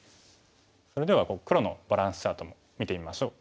それでは黒のバランスチャートも見てみましょう。